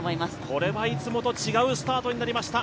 これはいつもと違うスタートになりました。